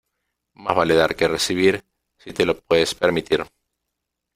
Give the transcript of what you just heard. Más vale dar que recibir, si te lo puedes permitir.